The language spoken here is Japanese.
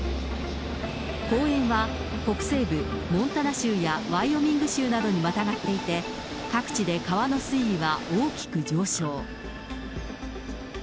公園は北西部モンタナ州やワイオミング州などにまたがっていて、各地で川の水位は大きく上昇。